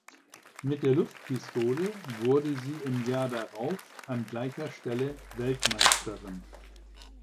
Mit der Luftpistole wurde sie im Jahr darauf an gleicher Stelle Weltmeisterin.